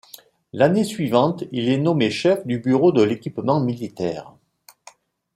L'année suivante, il est nommé chef du bureau de l'équipement militaire.